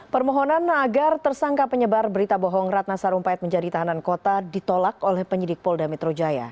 permohonan agar tersangka penyebar berita bohong ratna sarumpait menjadi tahanan kota ditolak oleh penyidik polda metro jaya